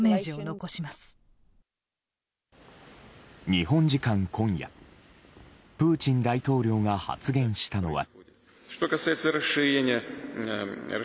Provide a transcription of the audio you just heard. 日本時間今夜プーチン大統領が発言したのは。